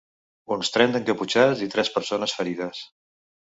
Uns trenta encaputxats i tres persones ferides.